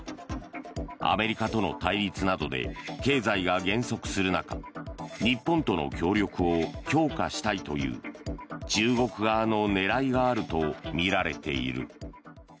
アメリカとの対立などで経済が減速する中日本との協力を強化したいという中国側の狙いがあるとみられている。